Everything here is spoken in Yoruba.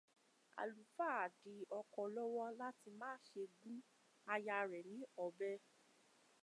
Àlùfáà dí ọkọ lọ́wọ́ láti máṣe gun aya rẹ̀ ní ọ̀bẹ.